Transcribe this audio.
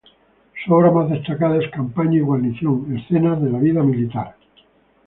Su obra más destacada es "Campaña y guarnición, escenas de la vida militar".